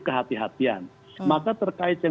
kehatian maka terkait yang